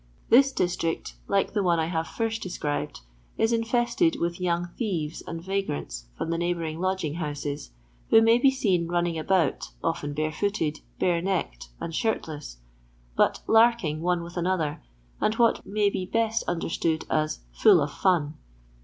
This district, like the one I have first described, is infested with young thieves and vagrants from the neighbouring lodging houses, who may be seen running about, often bare footed, bare necked, and shirtless, but " larking " one with another, and what may be best understood as *^ full of fun."